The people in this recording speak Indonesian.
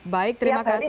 baik terima kasih